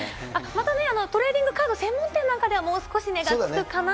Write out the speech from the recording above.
また、トレーディングカード専門店なんかではもう少し値が付くかな